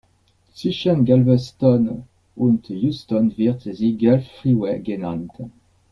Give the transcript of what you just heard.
Zwischen Galveston und Houston wird sie Gulf Freeway genannt.